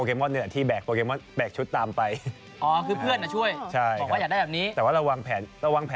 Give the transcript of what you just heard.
คือจะเพราะว่า